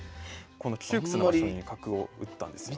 この窮屈な場所に角を打ったんですよね。